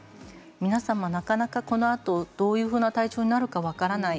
皆さんは、なかなかこのあと、どのような体調になるのか分からない。